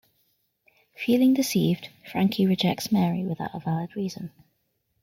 Feeling deceived, Frankie rejects Mary without a valid reason.